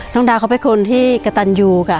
น้องดาวเขาเป็นคนที่กระตันยูค่ะ